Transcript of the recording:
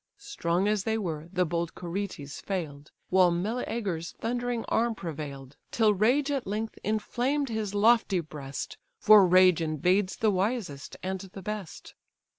Strong as they were, the bold Curetes fail'd, While Meleager's thundering arm prevail'd: Till rage at length inflamed his lofty breast (For rage invades the wisest and the best).